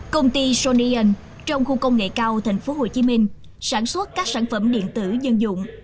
công ty sonian trong khu công nghệ cao tp hcm sản xuất các sản phẩm điện tử dân dụng